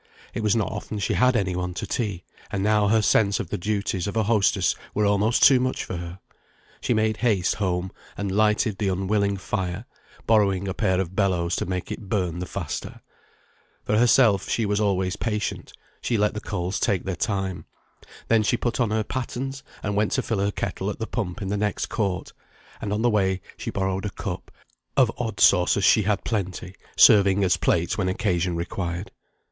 it was not often she had any one to tea; and now her sense of the duties of a hostess were almost too much for her. She made haste home, and lighted the unwilling fire, borrowing a pair of bellows to make it burn the faster. For herself she was always patient; she let the coals take their time. Then she put on her pattens, and went to fill her kettle at the pump in the next court, and on the way she borrowed a cup; of odd saucers she had plenty, serving as plates when occasion required.